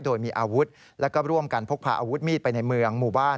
โดยมีอาวุธแล้วก็ร่วมกันพกพาอาวุธมีดไปในเมืองหมู่บ้าน